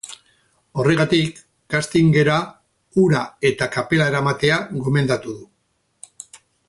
Horregatik, castingera ura eta kapela eramatea gomendatu du.